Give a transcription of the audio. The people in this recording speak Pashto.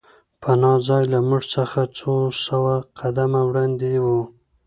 پناه ځای له موږ څخه څو سوه قدمه وړاندې و